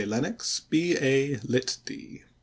LENNOX, B.A., Litt.D.